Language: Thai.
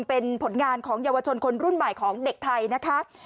เป็นผลงานของเยาวชนคนรุ่นใหม่ของเด็กไทยนะคะ